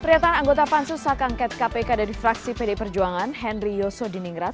perlihatan anggota pansus akan kait kpk dari fraksi pd perjuangan henry yoso di ningrat